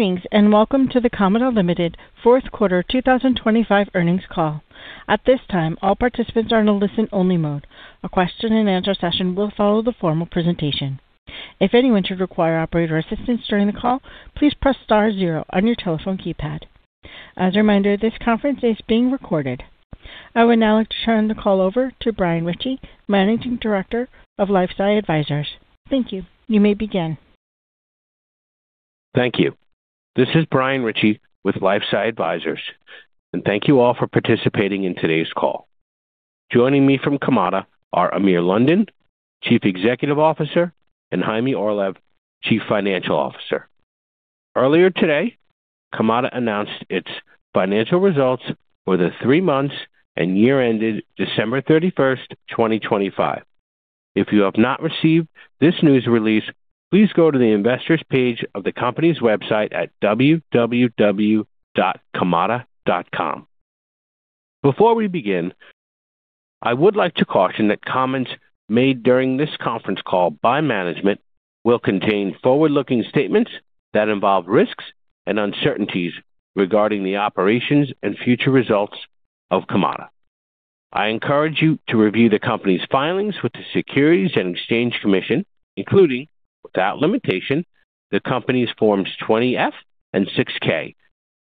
Greetings, and welcome to the Kamada Ltd. fourth quarter 2025 earnings call. At this time, all participants are in a listen-only mode. A question and answer session will follow the formal presentation. If anyone should require operator assistance during the call, please press star zero on your telephone keypad. As a reminder, this conference is being recorded. I would now like to turn the call over to Brian Ritchie, Managing Director of LifeSci Advisors. Thank you. You may begin. Thank you. This is Brian Ritchie with LifeSci Advisors, and thank you all for participating in today's call. Joining me from Kamada are Amir London, Chief Executive Officer, and Chaim Orlev, Chief Financial Officer. Earlier today, Kamada announced its financial results for the three months and year ended December 31, 2025. If you have not received this news release, please go to the investors page of the company's website at www.kamada.com. Before we begin, I would like to caution that comments made during this conference call by management will contain forward-looking statements that involve risks and uncertainties regarding the operations and future results of Kamada. I encourage you to review the company's filings with the Securities and Exchange Commission, including, without limitation, the company's Form 20-F and Form 6-K,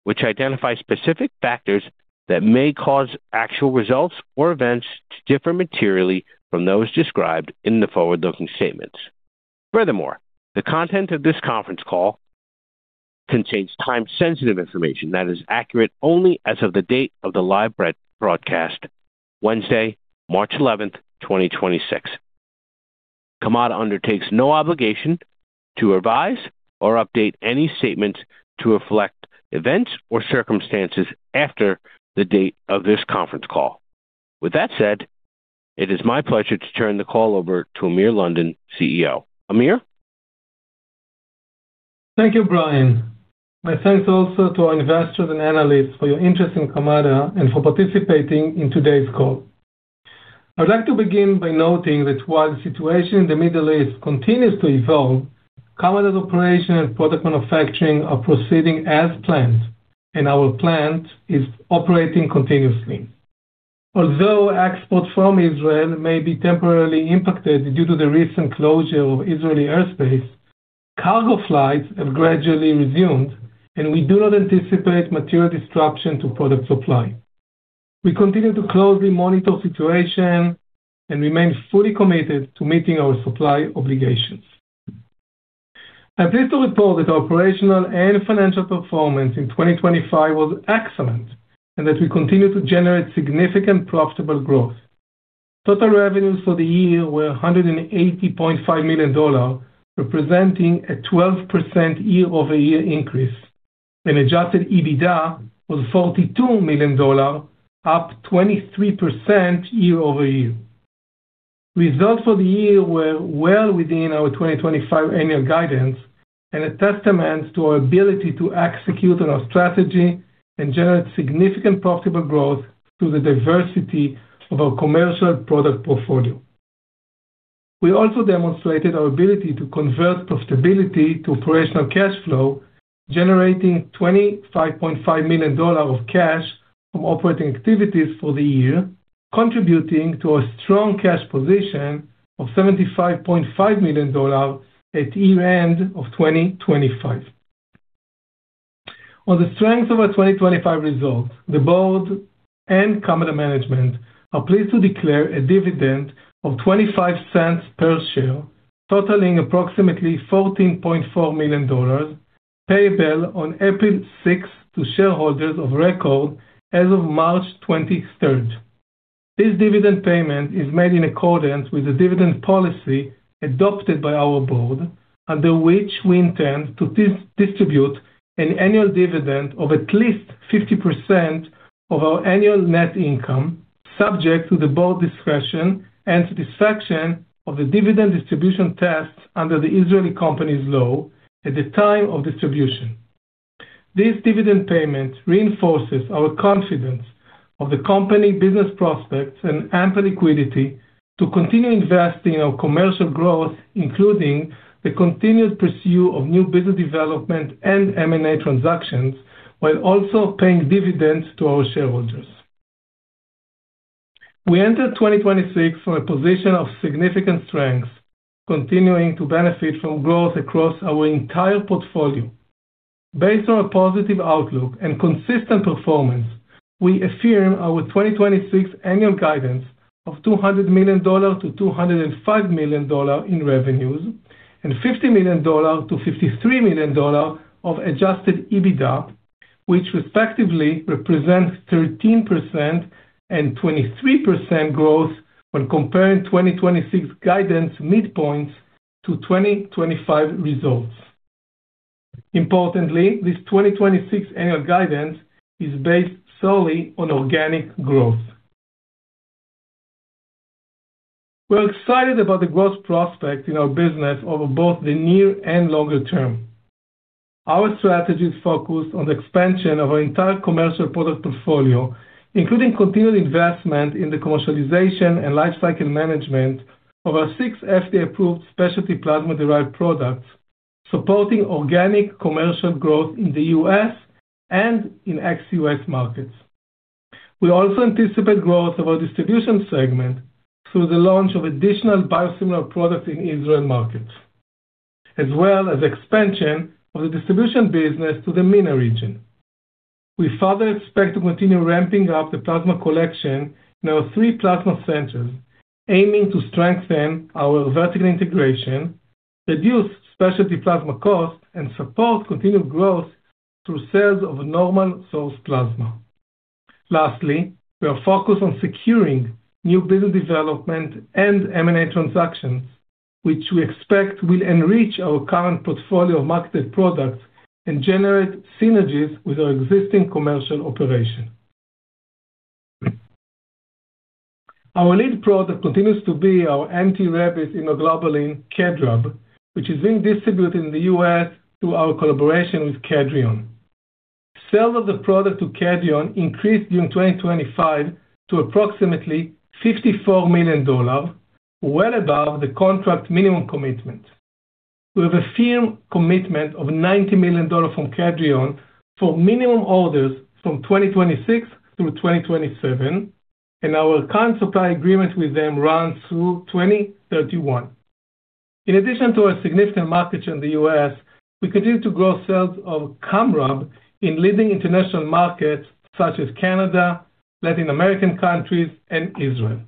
which identify specific factors that may cause actual results or events to differ materially from those described in the forward-looking statements. Furthermore, the content of this conference call contains time-sensitive information that is accurate only as of the date of the live broadcast, Wednesday, March 11, 2026. Kamada undertakes no obligation to revise or update any statements to reflect events or circumstances after the date of this conference call. With that said, it is my pleasure to turn the call over to Amir London, CEO. Amir? Thank you, Brian. My thanks also to our investors and analysts for your interest in Kamada and for participating in today's call. I'd like to begin by noting that while the situation in the Middle East continues to evolve, Kamada's operation and product manufacturing are proceeding as planned, and our plant is operating continuously. Although exports from Israel may be temporarily impacted due to the recent closure of Israeli airspace, cargo flights have gradually resumed, and we do not anticipate material disruption to product supply. We continue to closely monitor the situation and remain fully committed to meeting our supply obligations. I'm pleased to report that our operational and financial performance in 2025 was excellent and that we continue to generate significant profitable growth. Total revenues for the year were $180.5 million, representing a 12% year-over-year increase, and adjusted EBITDA was $42 million, up 23% year-over-year. Results for the year were well within our 2025 annual guidance and a testament to our ability to execute on our strategy and generate significant profitable growth through the diversity of our commercial product portfolio. We also demonstrated our ability to convert profitability to operational cash flow, generating $25.5 million of cash from operating activities for the year, contributing to a strong cash position of $75.5 million at year-end of 2025. On the strength of our 2025 results, the board and Kamada management are pleased to declare a dividend of $0.25 per share, totaling approximately $14.4 million, payable on April 6 to shareholders of record as of March 23. This dividend payment is made in accordance with the dividend policy adopted by our board, under which we intend to distribute an annual dividend of at least 50% of our annual net income, subject to the board's discretion and to the satisfaction of the dividend distribution test under the Israeli Companies Law at the time of distribution. This dividend payment reinforces our confidence of the company business prospects and ample liquidity to continue investing in our commercial growth, including the continued pursuit of new business development and M&A transactions, while also paying dividends to our shareholders. We enter 2026 from a position of significant strength, continuing to benefit from growth across our entire portfolio. Based on a positive outlook and consistent performance, we affirm our 2026 annual guidance of $200 million-$205 million in revenues and $50 million-$53 million of adjusted EBITDA, which respectively represents 13% and 23% growth when comparing 2026 guidance midpoints to 2025 results. Importantly, this 2026 annual guidance is based solely on organic growth. We're excited about the growth prospects in our business over both the near and longer term. Our strategies focus on the expansion of our entire commercial product portfolio, including continued investment in the commercialization and lifecycle management of our six FDA-approved specialty plasma-derived products, supporting organic commercial growth in the U.S. and in ex-U.S. markets. We also anticipate growth of our distribution segment through the launch of additional biosimilars in Israeli markets, as well as expansion of the distribution business to the MENA region. We further expect to continue ramping up the plasma collection in our three plasma centers, aiming to strengthen our vertical integration, reduce specialty plasma costs, and support continued growth through sales of normal source plasma. Lastly, we are focused on securing new business development and M&A transactions, which we expect will enrich our current portfolio of marketed products and generate synergies with our existing commercial operation. Our lead product continues to be our anti-rabies immunoglobulin KedRAB, which is being distributed in the US through our collaboration with Kedrion Biopharma. Sales of the product to Kedrion Biopharma increased during 2025 to approximately $54 million, well above the contract minimum commitment. We have a firm commitment of $90 million from Kedrion Biopharma for minimum orders from 2026 through 2027, and our current supply agreement with them runs through 2031. In addition to a significant market share in the US, we continue to grow sales of KamRAB in leading international markets such as Canada, Latin American countries, and Israel.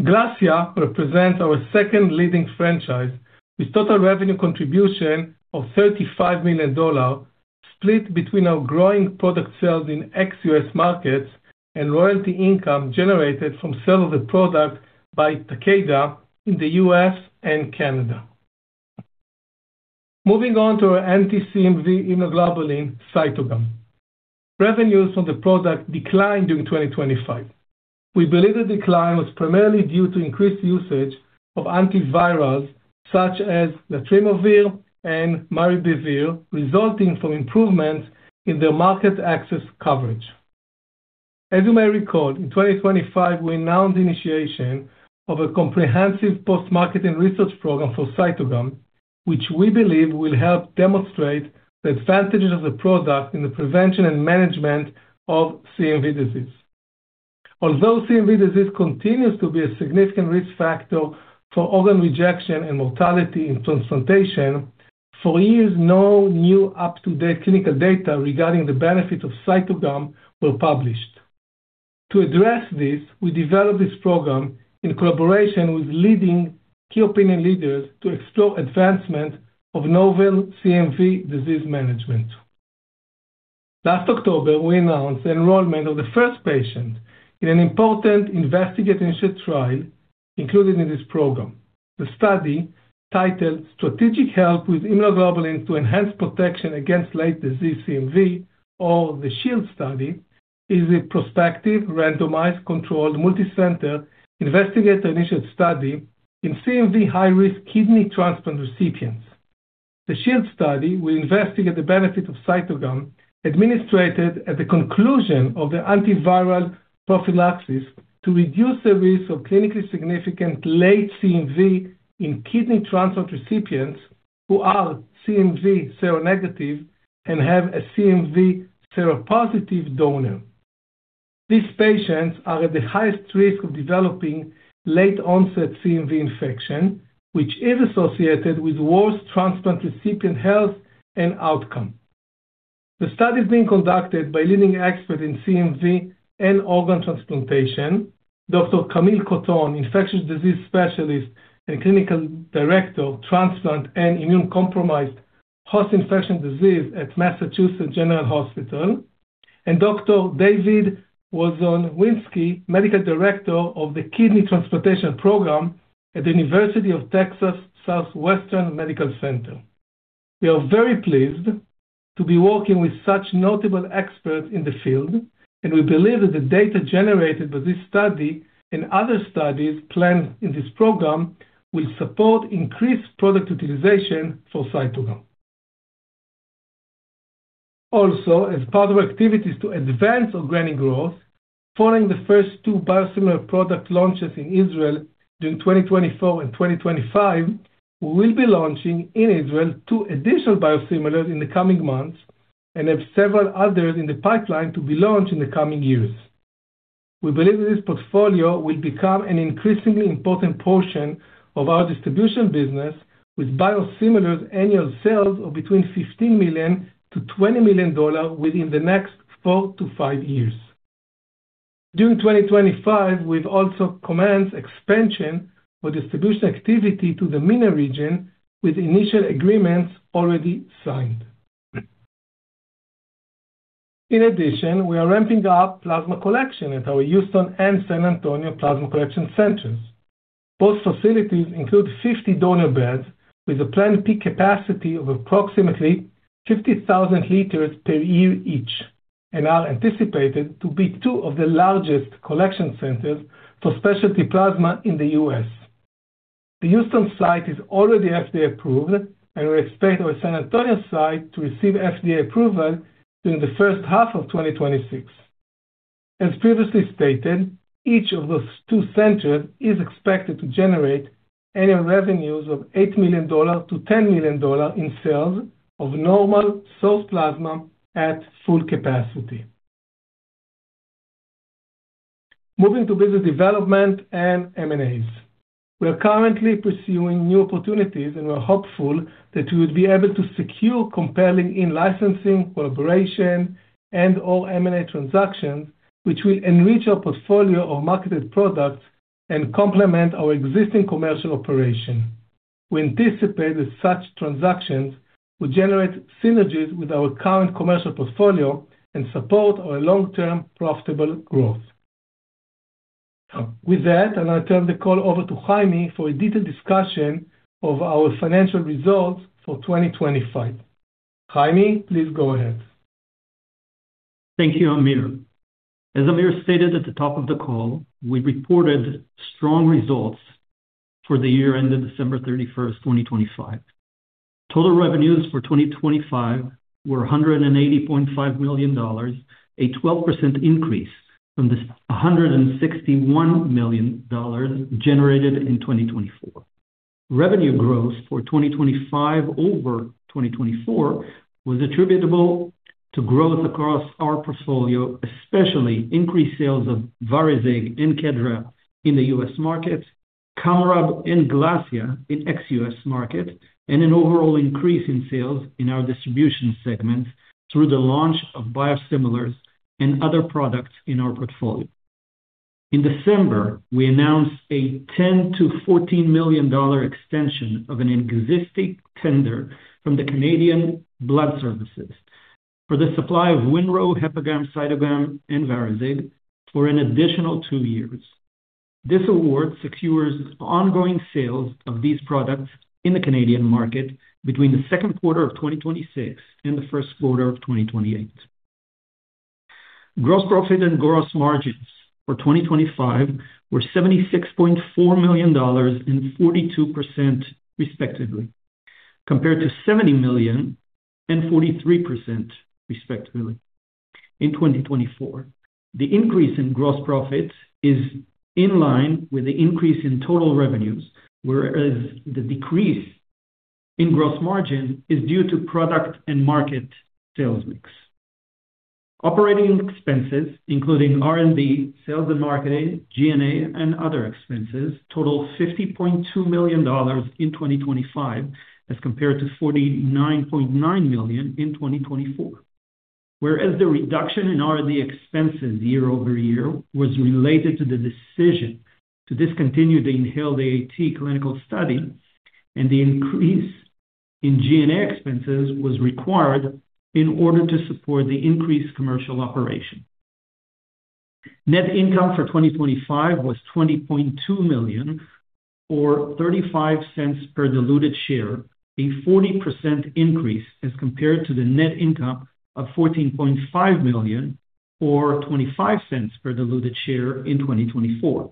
GLASSIA represents our second leading franchise with total revenue contribution of $35 million split between our growing product sales in ex-US markets and royalty income generated from sale of the product by Takeda in the US and Canada. Moving on to our anti-CMV immunoglobulin, Cytogam. Revenues from the product declined during 2025. We believe the decline was primarily due to increased usage of antivirals such as letermovir and maribavir, resulting from improvements in their market access coverage. As you may recall, in 2025, we announced the initiation of a comprehensive post-marketing research program for Cytogam, which we believe will help demonstrate the advantages of the product in the prevention and management of CMV disease. Although CMV disease continues to be a significant risk factor for organ rejection and mortality in transplantation, for years no new up-to-date clinical data regarding the benefit of Cytogam were published. To address this, we developed this program in collaboration with leading key opinion leaders to explore advancement of novel CMV disease management. Last October, we announced the enrollment of the first patient in an important investigator-initiated trial included in this program. The study, titled Strategic Help with Immunoglobulin to Enhance Protection Against Late Disease CMV, or the SHIELD study, is a prospective randomized controlled multicenter investigator-initiated study in CMV high-risk kidney transplant recipients. The SHIELD study will investigate the benefit of Cytogam administered at the conclusion of the antiviral prophylaxis to reduce the risk of clinically significant late CMV in kidney transplant recipients who are CMV seronegative and have a CMV seropositive donor. These patients are at the highest risk of developing late-onset CMV infection, which is associated with worse transplant recipient health and outcome. The study is being conducted by leading expert in CMV and organ transplantation, Dr. Camille Kotton, infectious disease specialist and Clinical Director of Transplant and Immunocompromised Host Infectious Diseases at Massachusetts General Hospital, and Dr. David Wojciechowski, Medical Director of the Kidney Transplantation Program at the University of Texas Southwestern Medical Center. We are very pleased to be working with such notable experts in the field, and we believe that the data generated by this study and other studies planned in this program will support increased product utilization for Cytogam. Also, as part of our activities to advance organic growth following the first two biosimilar product launches in Israel during 2024 and 2025, we will be launching in Israel two additional biosimilars in the coming months and have several others in the pipeline to be launched in the coming years. We believe that this portfolio will become an increasingly important portion of our distribution business with biosimilars annual sales of between $15 million-$20 million within the next 4-5 years. During 2025, we've also commenced expansion for distribution activity to the MENA region with initial agreements already signed. In addition, we are ramping up plasma collection at our Houston and San Antonio plasma collection centers. Both facilities include 50 donor beds with a planned peak capacity of approximately 50,000 liters per year each and are anticipated to be two of the largest collection centers for specialty plasma in the U.S. The Houston site is already FDA approved, and we expect our San Antonio site to receive FDA approval during the first half of 2026. As previously stated, each of those two centers is expected to generate annual revenues of $8 million-$10 million in sales of normal source plasma at full capacity. Moving to business development and M&As. We are currently pursuing new opportunities, and we're hopeful that we would be able to secure compelling in-licensing, cooperation, and/or M&A transactions which will enrich our portfolio of marketed products and complement our existing commercial operation. We anticipate that such transactions will generate synergies with our current commercial portfolio and support our long-term profitable growth. With that, I now turn the call over to Chaim for a detailed discussion of our financial results for 2025. Chaim, please go ahead. Thank you, Amir. As Amir stated at the top of the call, we reported strong results for the year ended December 31, 2025. Total revenues for 2025 were $180.5 million, a 12% increase from the $161 million generated in 2024. Revenue growth for 2025 over 2024 was attributable to growth across our portfolio, especially increased sales of VARIZIG and KedRAB in the U.S. market, KamRAB and GLASSIA in ex-U.S. market, and an overall increase in sales in our distribution segment through the launch of biosimilars and other products in our portfolio. In December, we announced a $10 million-$14 million extension of an existing tender from the Canadian Blood Services for the supply of WinRho, HepaGam, Cytogam, and VARIZIG for an additional two years. This award secures ongoing sales of these products in the Canadian market between the second quarter of 2026 and the first quarter of 2028. Gross profit and gross margins for 2025 were $76.4 million and 42% respectively, compared to $70 million and 43% respectively in 2024. The increase in gross profit is in line with the increase in total revenues, whereas the decrease in gross margin is due to product and market sales mix. Operating expenses, including R&D, sales and marketing, G&A, and other expenses, totaled $50.2 million in 2025 as compared to $49.9 million in 2024. Whereas the reduction in R&D expenses year-over-year was related to the decision to discontinue the inhaled AAT clinical study and the increase in G&A expenses was required in order to support the increased commercial operation. Net income for 2025 was $20.2 million or $0.35 per diluted share, a 40% increase as compared to the net income of $14.5 million or $0.25 per diluted share in 2024.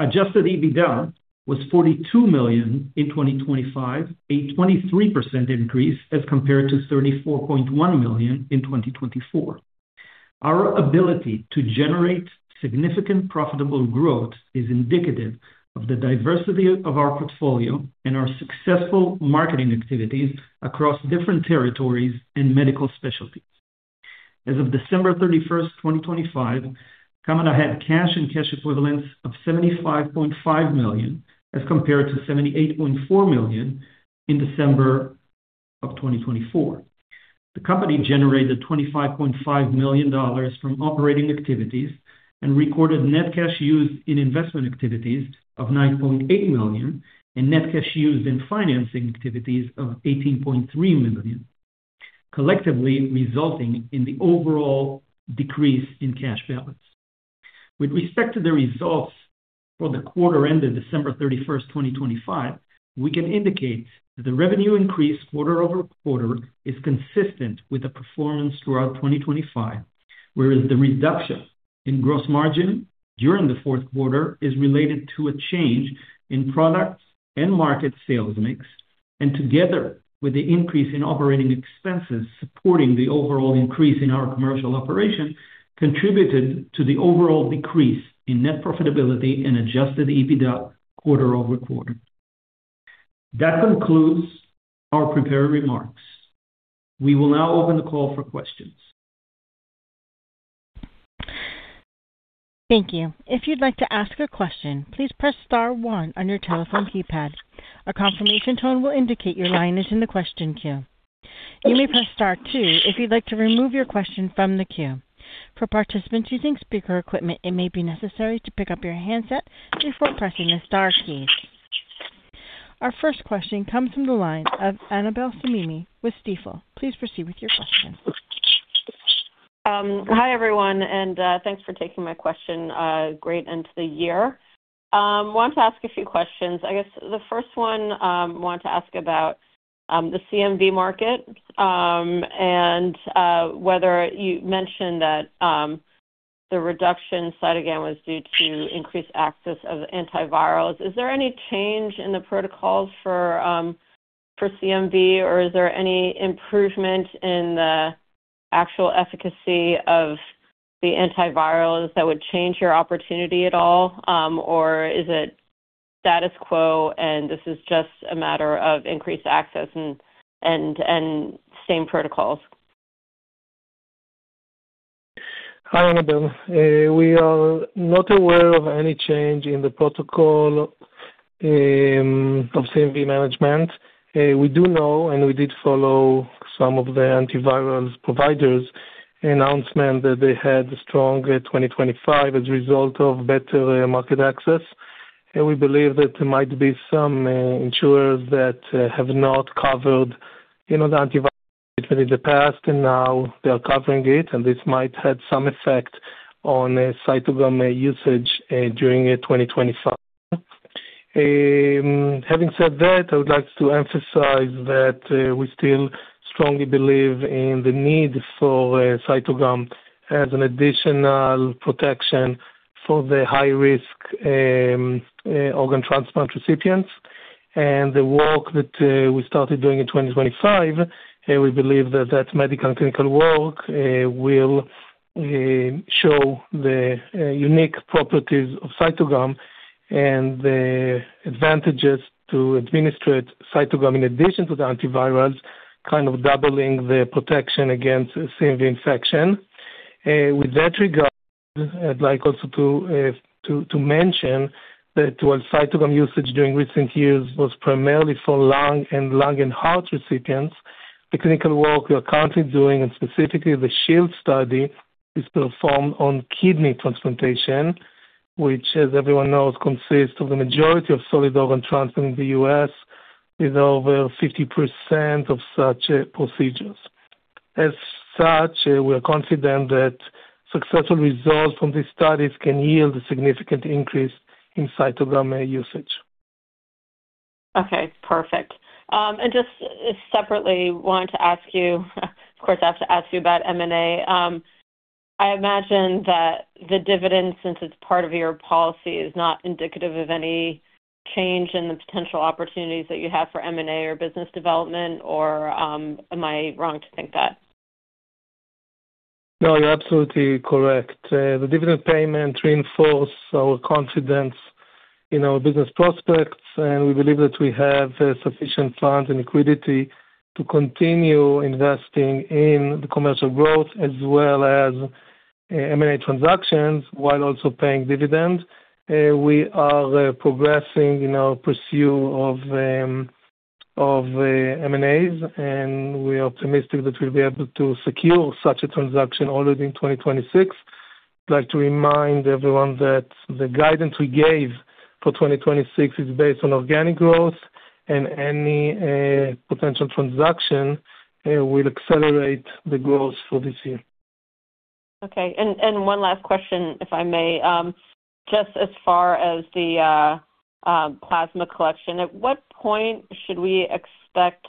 Adjusted EBITDA was $42 million in 2025, a 23% increase as compared to $34.1 million in 2024. Our ability to generate significant profitable growth is indicative of the diversity of our portfolio and our successful marketing activities across different territories and medical specialties. As of December 31, 2025, Kamada had cash and cash equivalents of $75.5 million, as compared to $78.4 million in December 2024. The company generated $25.5 million from operating activities and recorded net cash used in investment activities of $9.8 million and net cash used in financing activities of $18.3 million, collectively resulting in the overall decrease in cash balance. With respect to the results for the quarter ended December 31, 2025, we can indicate that the revenue increase quarter-over-quarter is consistent with the performance throughout 2025, whereas the reduction in gross margin during the fourth quarter is related to a change in product and market sales mix. Together with the increase in operating expenses supporting the overall increase in our commercial operation, contributed to the overall decrease in net profitability and adjusted EBITDA quarter-over-quarter. That concludes our prepared remarks. We will now open the call for questions. Thank you. If you'd like to ask a question, please press star one on your telephone keypad. A confirmation tone will indicate your line is in the question queue. You may press star two if you'd like to remove your question from the queue. For participants using speaker equipment, it may be necessary to pick up your handset before pressing the star keys. Our first question comes from the line of Annabel Samimy with Stifel. Please proceed with your question. Hi, everyone, and thanks for taking my question. Great end to the year. Wanted to ask a few questions. I guess the first one, want to ask about the CMV market, and whether you mentioned that the reduction Cytogam was due to increased access of antivirals. Is there any change in the protocols for CMV or is there any improvement in the actual efficacy of the antivirals that would change your opportunity at all? Or is it status quo and this is just a matter of increased access and same protocols? Hi, Annabel. We are not aware of any change in the protocol of CMV management. We do know and we did follow some of the antivirals providers' announcement that they had a strong 2025 as a result of better market access. We believe that there might be some insurers that have not covered, you know, the antivirals between the past and now they are covering it, and this might have some effect on Cytogam usage during 2025. Having said that, I would like to emphasize that we still strongly believe in the need for Cytogam as an additional protection for the high risk organ transplant recipients. The work that we started doing in 2025, we believe that medical and clinical work will show the unique properties of Cytogam and the advantages to administer Cytogam in addition to the antivirals, kind of doubling the protection against CMV infection. With that regard, I'd like also to mention that while Cytogam usage during recent years was primarily for lung and heart recipients, the clinical work we are currently doing, and specifically the SHIELD study, is performed on kidney transplantation, which, as everyone knows, consists of the majority of solid organ transplant in the U.S., with over 50% of such procedures. As such, we are confident that successful results from these studies can yield a significant increase in Cytogam usage. Okay, perfect. Just separately wanted to ask you, of course, I have to ask you about M&A. I imagine that the dividend, since it's part of your policy, is not indicative of any change in the potential opportunities that you have for M&A or business development or, am I wrong to think that? No, you're absolutely correct. The dividend payment reinforce our confidence in our business prospects, and we believe that we have sufficient funds and liquidity to continue investing in the commercial growth as well as M&A transactions while also paying dividends. We are progressing in our pursuit of M&As, and we are optimistic that we'll be able to secure such a transaction already in 2026. I'd like to remind everyone that the guidance we gave for 2026 is based on organic growth and any potential transaction will accelerate the growth for this year. Okay. One last question, if I may. Just as far as the plasma collection, at what point should we expect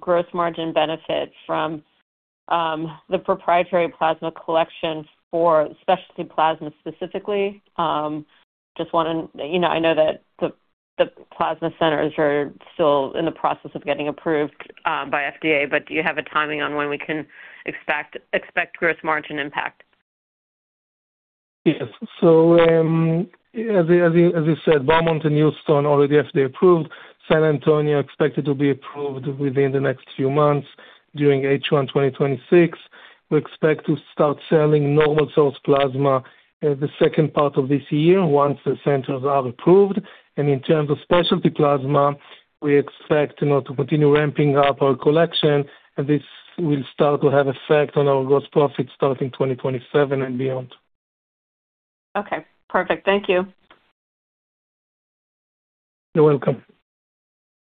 growth margin benefits from the proprietary plasma collection for specialty plasma specifically? You know, I know that the plasma centers are still in the process of getting approved by FDA, but do you have a timing on when we can expect growth margin impact? Yes. As you said, Beaumont and Houston already FDA approved. San Antonio expected to be approved within the next few months during H1 2026. We expect to start selling normal source plasma the second part of this year once the centers are approved. In terms of specialty plasma, we expect, you know, to continue ramping up our collection. This will start to have effect on our gross profit starting 2027 and beyond. Okay, perfect. Thank you. You're welcome.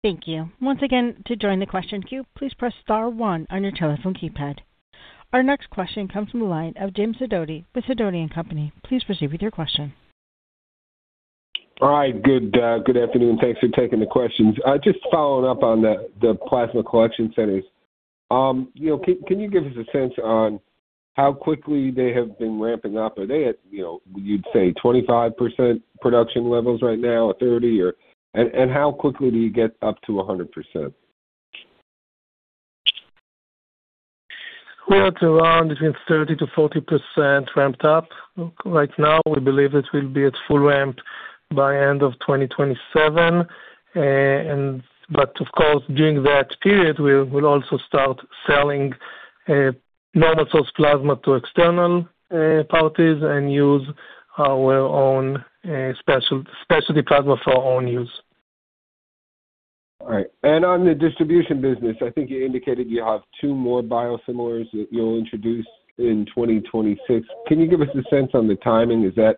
Thank you. Once again, to join the question queue, please press star one on your telephone keypad. Our next question comes from the line of James Sidoti with Sidoti & Company. Please proceed with your question. All right. Good afternoon. Thanks for taking the questions. Just following up on the plasma collection centers. You know, can you give us a sense on how quickly they have been ramping up? Are they at, you know, you'd say 25% production levels right now or 30%? How quickly do you get up to 100%? We're at around between 30%-40% ramped up right now. We believe it will be at full ramp by end of 2027. Of course, during that period, we'll also start selling normal source plasma to external parties and use our own specialty plasma for our own use. All right. On the distribution business, I think you indicated you have two more biosimilars that you'll introduce in 2026. Can you give us a sense on the timing? Is that,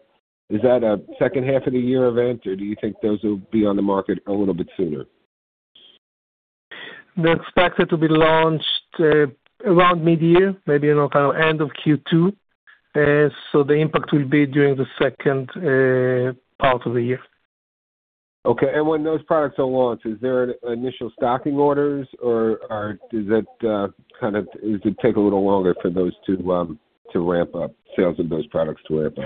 is that a second half of the year event, or do you think those will be on the market a little bit sooner? They're expected to be launched around mid-year, maybe, you know, kind of end of Q2. The impact will be during the second part of the year. Okay. When those products are launched, is there initial stocking orders or does that take a little longer for those to ramp up, sales of those products to ramp up?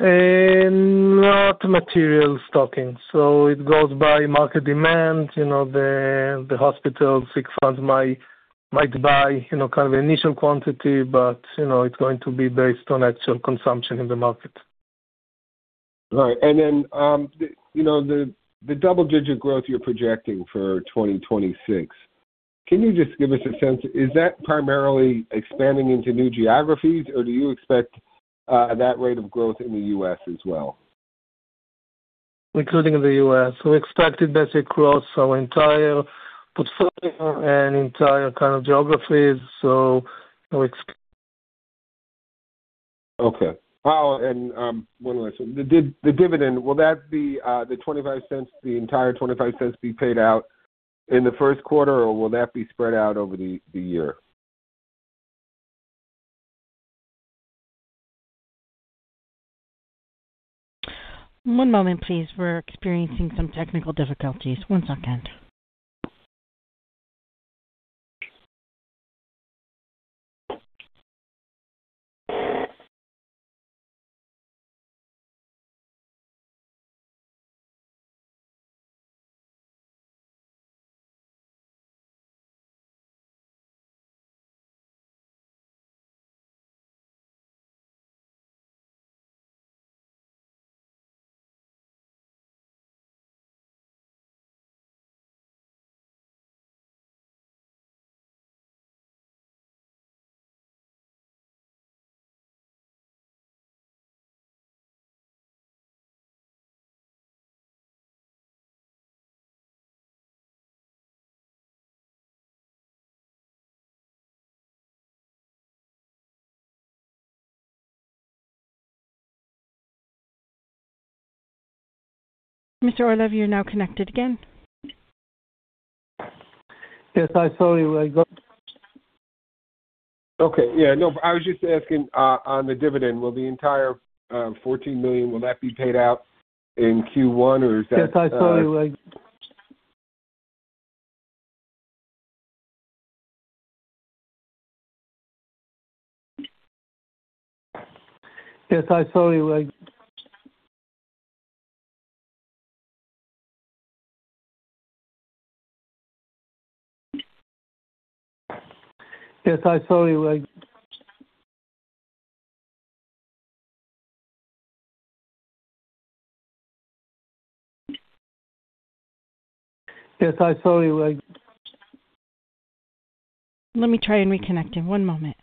Not material stocking. It goes by market demand. You know, the hospital sick funds might buy, you know, kind of initial quantity, but, you know, it's going to be based on actual consumption in the market. Right. You know, the double-digit growth you're projecting for 2026, can you just give us a sense, is that primarily expanding into new geographies, or do you expect that rate of growth in the U.S. as well? Including in the U.S. We expect it, that's across our entire portfolio and entire kind of geographies, so we ex- Okay. One last one. The dividend, will that be the $0.25, the entire $0.25 be paid out in the first quarter, or will that be spread out over the year? One moment, please. We're experiencing some technical difficulties. One second. Mr. Amir, you're now connected again. Yes, I saw you were go- Okay. Yeah. No, I was just asking on the dividend, will the entire $14 million will that be paid out in Q1, or is that Yes, I saw you were. Let me try and reconnect him. One moment.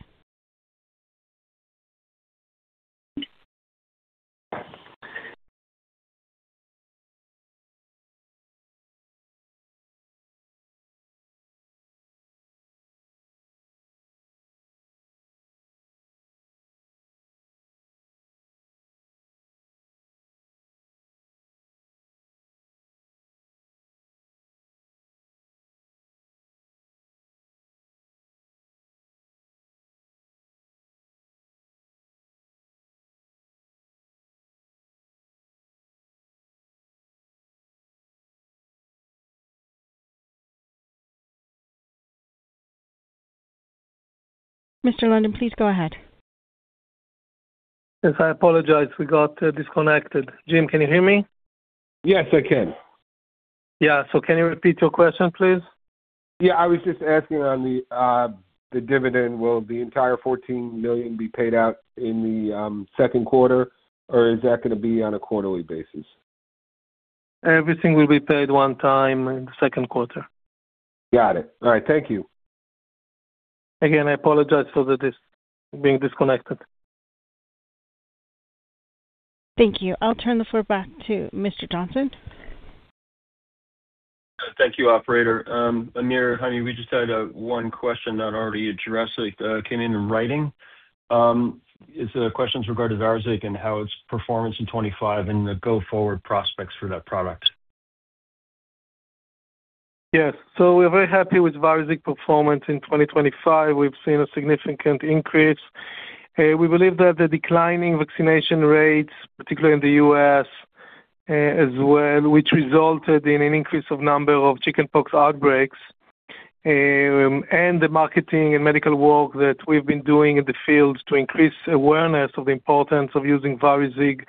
Mr. London, please go ahead. Yes, I apologize. We got, disconnected. Jim, can you hear me? Yes, I can. Yeah. Can you repeat your question, please? Yeah. I was just asking on the dividend, will the entire $14 million be paid out in the second quarter, or is that gonna be on a quarterly basis? Everything will be paid one time in the second quarter. Got it. All right. Thank you. Again, I apologize for being disconnected. Thank you. I'll turn the floor back to Brian Ritchie. Thank you, operator. Amir, hey, we just had one question not already addressed. It came in writing. It's questions regarding VARIZIG and how its performance in 25 and the go-forward prospects for that product. Yes. We're very happy with VARIZIG performance in 2025. We've seen a significant increase. We believe that the declining vaccination rates, particularly in the U.S., as well, which resulted in an increase in the number of chickenpox outbreaks, and the marketing and medical work that we've been doing in the field to increase awareness of the importance of using VARIZIG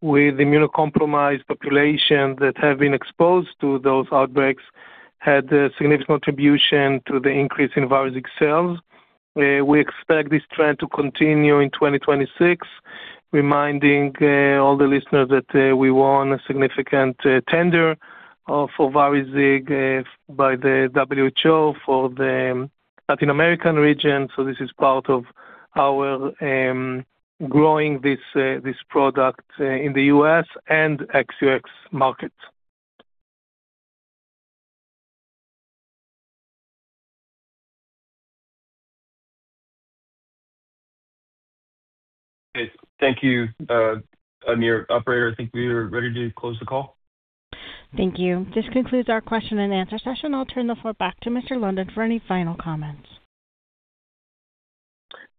with immunocompromised population that have been exposed to those outbreaks, had a significant contribution to the increase in VARIZIG sales. We expect this trend to continue in 2026, reminding all the listeners that we won a significant tender for VARIZIG by the WHO for the Latin American region. This is part of our growing this product in the U.S. and ex-U.S. market. Okay. Thank you, Amir. Operator, I think we are ready to close the call. Thank you. This concludes our question and answer session. I'll turn the floor back to Mr. London for any final comments.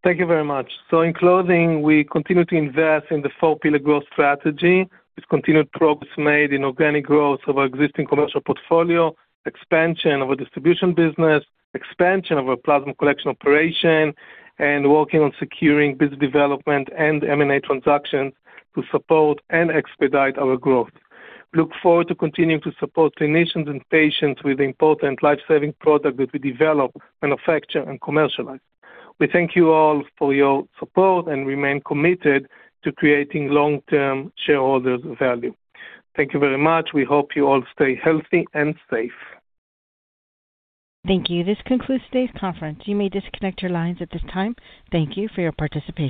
Thank you very much. In closing, we continue to invest in the four-pillar growth strategy with continued progress made in organic growth of our existing commercial portfolio, expansion of our distribution business, expansion of our plasma collection operation, and working on securing business development and M&A transactions to support and expedite our growth. We look forward to continuing to support clinicians and patients with important life-saving product that we develop, manufacture, and commercialize. We thank you all for your support and remain committed to creating long-term shareholder value. Thank you very much. We hope you all stay healthy and safe. Thank you. This concludes today's conference. You may disconnect your lines at this time. Thank you for your participation.